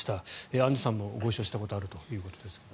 アンジュさんもご一緒したことがあるということですが。